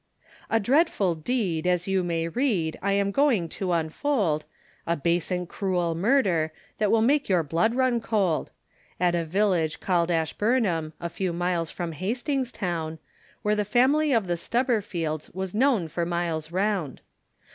A dreadful deed, as you may read, I am going to unfold, A base and cruel murder, That will make your blood run cold; At a village called Ashburnham, A few miles from Hastings town, Where the family of the Stubberfields Was known for miles round.